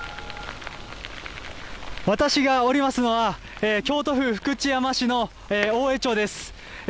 私がおりますのは、京都府福知山市のおおえ町です。